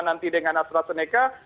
nanti dengan astrazeneca